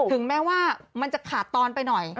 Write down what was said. ถึงแม้ว่ามันจะขาดตอนไปหน่อย